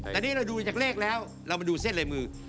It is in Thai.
แต่นี่เราดูจากเลขแล้วเรามาดูเส้นลายมือ